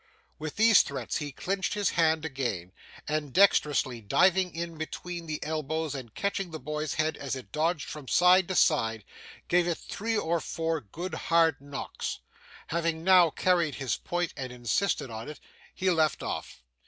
With these threats he clenched his hand again, and dexterously diving in between the elbows and catching the boy's head as it dodged from side to side, gave it three or four good hard knocks. Having now carried his point and insisted on it, he left off.